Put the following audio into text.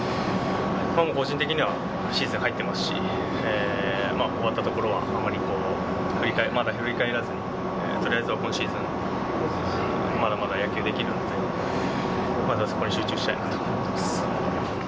僕も個人的にはシーズン入ってますし、終わったところはあまりまだ振り返らずに、とりあえずは今シーズン、まだまだ野球できるので、まずはそこに集中したいなと思います。